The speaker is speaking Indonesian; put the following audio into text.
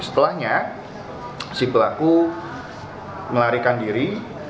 setelahnya si pelaku melarikan diri